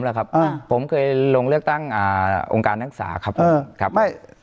ผมล่ะครับผมเคยลงเลือกตั้งองค์การนักศึกษาครับผม